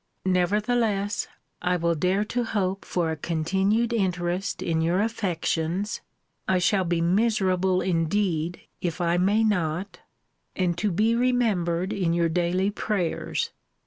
Nevertheless, I will dare to hope for a continued interest in your affections [I shall be miserable indeed if I may not!] and to be remembered in your daily prayers.